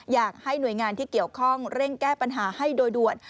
อยากให้หน่วยงานที่เกี่ยวข้องเร่งแก้ปัญหาให้โดยด่วน